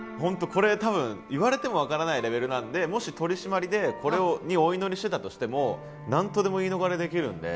これ多分言われても分からないレベルなんでもし取締りでこれにお祈りしてたとしても何とでも言い逃れできるんで。